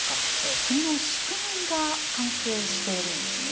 国の仕組みが関係しているんですね。